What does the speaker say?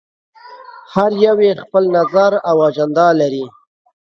هر يو یې خپل نظر او اجنډا لري.